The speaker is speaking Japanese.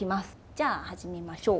じゃあ始めましょう。